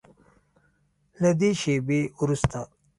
له دې شیبې وروسته